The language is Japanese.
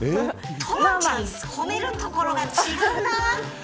トラちゃん褒めるところが違うな。